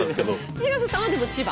広瀬さんはでも千葉？